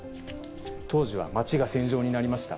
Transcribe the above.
当時は街が戦場になりました。